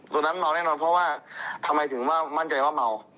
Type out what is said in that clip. ตอนนั้นเมาแน่นอนเพราะว่าทำไมถึงว่ามั่นใจว่าเมา